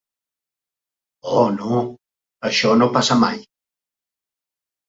Oh, no, això no passa mai.